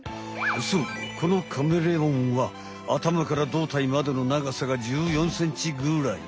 そうこのカメレオンはあたまからどうたいまでの長さが１４センチぐらい。